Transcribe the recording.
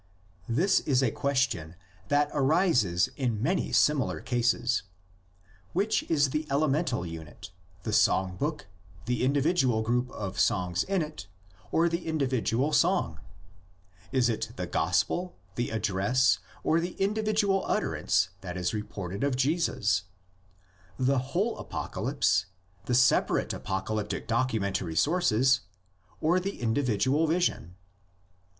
This is a question that arises in many similar cases: Which is the elemental unit: the song book, the individual group of songs in it, or the individual song? Is it the gospel, the address, or the indi vidual utterance that is reported of Jesus? The LITER A R Y FORMS OF THE LEGENDS. 43 whole apocalypse, the separate apocalyptic docu mentary sources, or the individual vision?